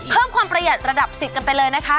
เพิ่มความประหยัดระดับ๑๐กันไปเลยนะคะ